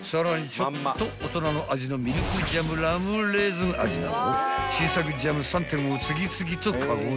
［さらにちょっと大人の味のミルクジャムラムレーズン味など新作ジャム３点を次々とカゴへ］